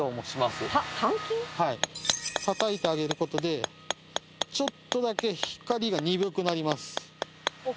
はいたたいてあげることでちょっとだけ光が鈍くなります。